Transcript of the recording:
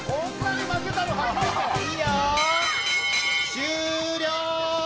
終了！